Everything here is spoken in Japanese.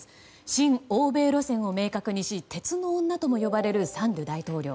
親欧米路線を明確にし鉄の女とも呼ばれるサンドゥ大統領。